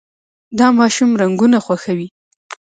دا ماشوم رنګونه خوښوي.